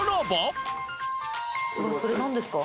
それ何ですか？